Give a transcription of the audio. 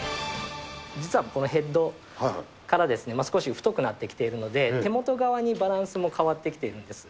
実はこのヘッドから少し太くなってきているので、手元側にバランスも変わってきてるんです。